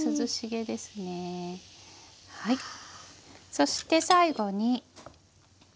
そして最後に。